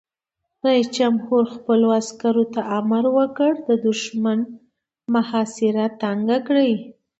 رئیس جمهور خپلو عسکرو ته امر وکړ؛ د دښمن محاصره تنګه کړئ!